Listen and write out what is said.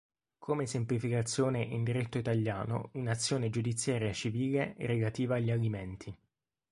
Come esemplificazione in diritto italiano una azione giudiziaria civile relativa agli alimenti.